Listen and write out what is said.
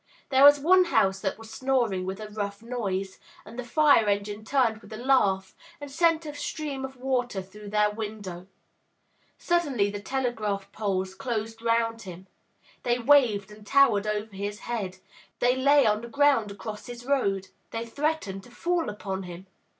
There was one house that was snoring with a rough noise, and the fire engine turned with a laugh and sent a stream of water through the window. Suddenly the telegraph poles closed round him; they waved and towered over his head, they lay on the ground across his road, they threatened to fall upon him.